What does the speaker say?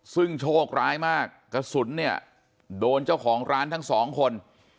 ซึ่งโชคร้ายมากกระสุนเนี่ยโดนเจ้าของร้านทั้งสองคน